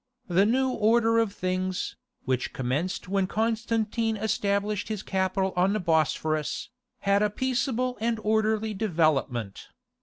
The new order of things, which commenced when Constantine established his capital on the Bosphorus, had a peaceable and orderly development.